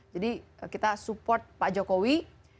jadi kita support pak jokowi